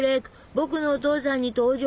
「ぼくのお父さん」に登場！